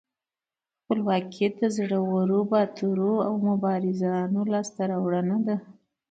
خپلواکي د زړورو، باتورو او مبارزانو لاسته راوړنه ده.